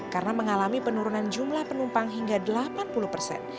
karena mengalami penurunan jumlah penumpang hingga delapan puluh persen